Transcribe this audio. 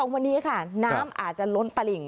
วันนี้ค่ะน้ำอาจจะล้นตลิ่ง